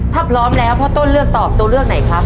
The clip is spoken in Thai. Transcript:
ถ้าพร้อมแล้วพ่อต้นเลือกตอบตัวเลือกไหนครับ